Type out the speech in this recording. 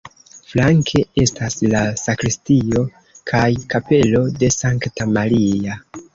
Flanke estas la sakristio kaj kapelo de Sankta Maria.